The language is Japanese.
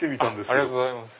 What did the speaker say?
ありがとうございます。